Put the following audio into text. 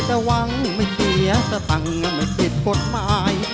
แต่หวังไม่เสียสตังค์ไม่ผิดกฎหมาย